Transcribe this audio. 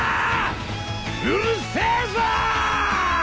うるせえぞ！